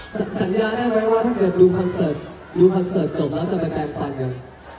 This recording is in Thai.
สัญญาได้ไหมว่าถ้าเกิดดูคอนเสิร์ตดูคอนเสิร์ตจบแล้วจะไปแปลงฟันกัน